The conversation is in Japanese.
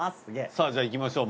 さあじゃあいきましょう。